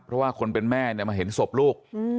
เพราะว่าคนเป็นแม่เนี่ยมาเห็นศพลูก